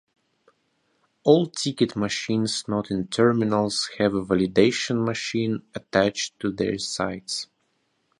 All ticket machines not in terminals have a validation machine attached to their sides.